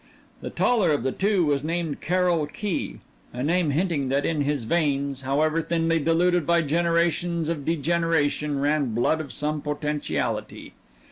The taller of the two was named Carrol Key, a name hinting that in his veins, however thinly diluted by generations of degeneration, ran blood of some potentiality.